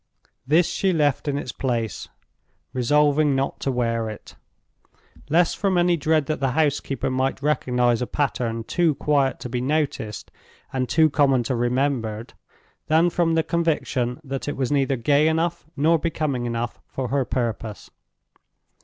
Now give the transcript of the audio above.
This she left in its place, resolving not to wear it—less from any dread that the housekeeper might recognize a pattern too quiet to be noticed, and too common to be remembered, than from the conviction that it was neither gay enough nor becoming enough for her purpose.